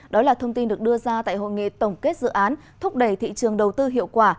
đó là thông tin được đưa ra tại hội nghị tổng kết dự án thúc đẩy thị trường đầu tư hiệu quả